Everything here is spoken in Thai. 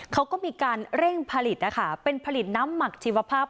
เขาก็มีการเร่งผลิตนะคะเป็นผลิตน้ำหมักชีวภาพ